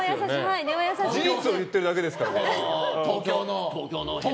事実を言ってるだけですよ。